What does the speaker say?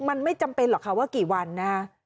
มันไม่จำเป็นหรอกค่ะว่ากี่วันนะฮะ